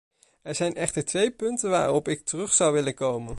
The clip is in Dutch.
Er zijn echter twee punten waarop ik terug zou willen komen.